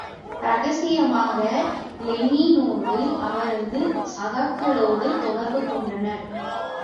இரகசியமாக லெனினோடும் அவரது சகாக்களோடும் தொடர்பு கொண்டனர்.